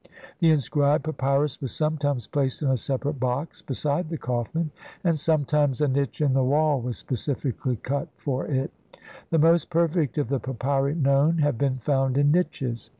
The inscribed papyrus was sometimes placed in a separate box beside the coffin, and sometimes a niche in the wall was specially cut for it ; the most perfect of the papyri known have been found in niches.